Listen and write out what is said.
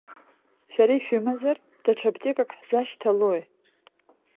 Шәара ишәымазар, даҽа аԥҭекак ҳзашьҭалои?